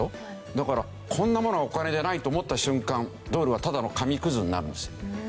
だからこんなものはお金じゃないと思った瞬間ドルはただの紙くずになるんですよ。